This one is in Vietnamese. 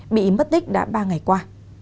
bị mất tích đã ba ngày qua